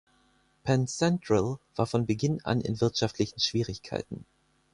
Penn Central war von Beginn an in wirtschaftlichen Schwierigkeiten.